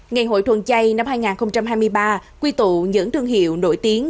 ngày hội thuần chay năm hai nghìn hai mươi ba quy tụ những thương hiệu nổi tiếng